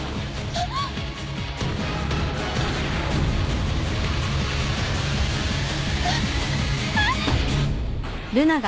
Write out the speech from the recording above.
あっあっ！